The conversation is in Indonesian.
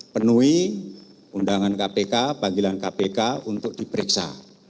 penuhi undangan kpk panggilan kpk untuk diperiksa